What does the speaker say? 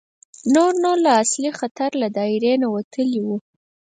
نور نو له اصلي خطر له دایرې نه وتلي وو.